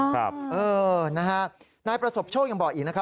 ครับเออนะฮะนายประสบโชคยังบอกอีกนะครับ